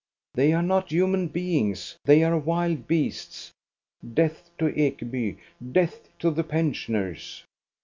They are not human beings; they are wild beasts. Death to Ekeby, death to the pensioners!